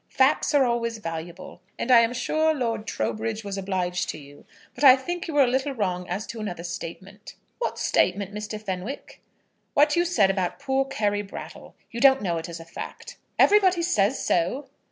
Facts are always valuable, and I am sure Lord Trowbridge was obliged to you. But I think you were a little wrong as to another statement." "What statement, Mr. Fenwick?" "What you said about poor Carry Brattle. You don't know it as a fact." "Everybody says so."